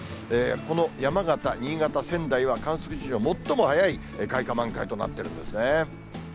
この山形、新潟、仙台は、観測史上最も早い開花、満開となっているんですね。